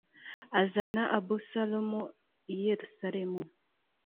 azana abusalomu i yerusalemu.